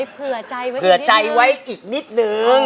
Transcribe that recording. พี่หอยเพื่อใจไว้อีกนิดนึง